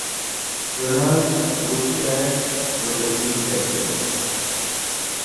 Ronald Brookshire was the team captain.